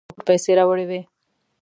عثمان جان باچا هم په پور پیسې راوړې وې.